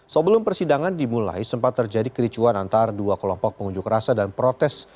sebelum persidangan dimulai sempat terjadi kericuan antara dua kelompok pengunjuk rasa dan protes